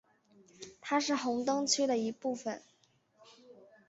它是红灯区的一部分。